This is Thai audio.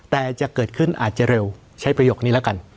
แต่จะเกิดขึ้นอาจจะเร็วใช้ประโยคนี้แล้วกัน